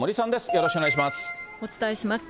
よろしくお願いします。